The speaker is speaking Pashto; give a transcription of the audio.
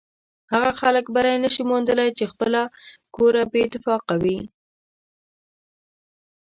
هغه خلک بری نشي موندلی چې له خپله کوره بې اتفاقه وي.